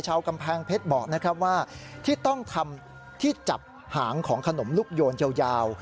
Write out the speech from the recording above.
ชาวกำแพงเพชรบอกนะครับว่าที่ต้องทำที่จับหางของขนมลูกโยนยาว